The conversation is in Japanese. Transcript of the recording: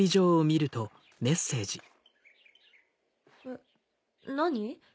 えっ何？